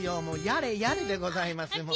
もうやれやれでございます。